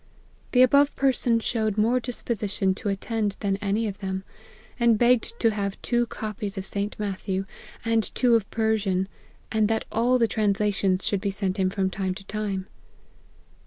The above person showed more disposition to at tend than any of them ; and begged to have two , copies of St. Matthew, and two of Persian, and that all the translations should be sent him from time to time."